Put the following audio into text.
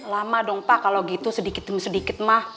lama dong pak kalau gitu sedikit demi sedikit mah